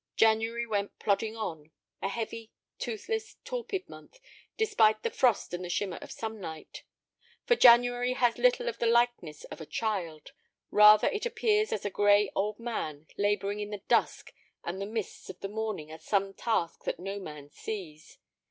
January went plodding on—a heavy, toothless, torpid month, despite the frost and the shimmer of sunlight; for January has little of the likeness of a child; rather it appears as a gray old man laboring in the dusk and the mists of the morning at some task that no man sees.